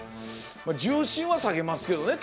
重心は下げますけどね